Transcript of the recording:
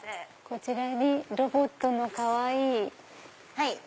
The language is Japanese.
こちらにロボットのかわいい。